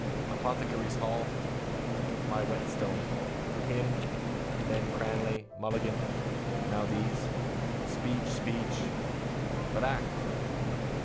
Apothecaries' hall. My whetstone. Him, then Cranly, Mulligan: now these. Speech, speech. But act.